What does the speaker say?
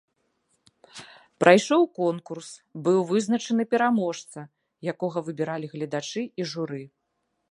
Прайшоў конкурс, быў вызначаны пераможца, якога выбіралі гледачы і журы.